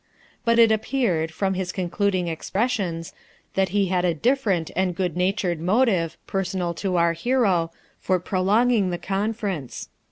But it appeared, from his concluding expressions, that he had a different and good natured motive, personal to our hero, for prolonging the conference.